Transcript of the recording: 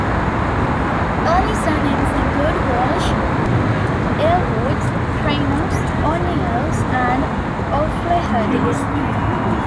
Early Surnames include Walsh, Aylwards, Trainors, O'Neills and O'Flahertys.